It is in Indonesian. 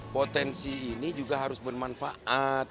potensi ini juga harus bermanfaat